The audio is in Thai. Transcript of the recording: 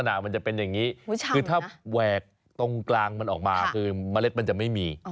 คือเนื้อมันต้องแน่นมากเยอะแน่เลยอ่ะ